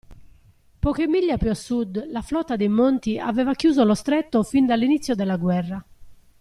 Poche miglia più a sud la flotta dei Monti aveva chiuso lo stretto fin dall'inizio della guerra.